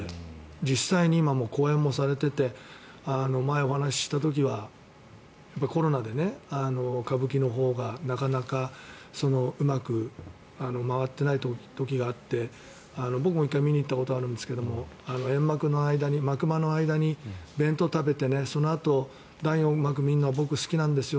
実際に今、公演もされていて前、お話しした時はコロナで歌舞伎のほうがなかなかうまく回ってない時があって僕も１回、見に行ったことがあるんですけど、幕間の間に弁当を食べて、そのあと第４幕を見るのが僕、好きなんですよ